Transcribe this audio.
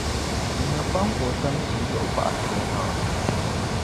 bɛ nya kpaŋ ka o tam tii zuɣu gbaɣtir’ omaŋa.